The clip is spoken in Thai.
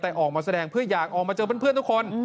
แต่ออกมาแสดงเพื่ออยากออกมาเจอเพื่อนทุกคน